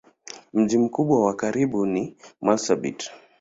Mji mkubwa wa karibu ni Marsabit.